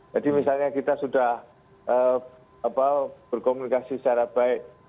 jadi misalnya kita sudah berkomunikasi secara baik